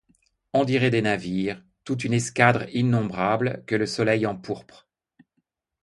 On dirait des navires, toute une escadre innombrable que le soleil empourpre.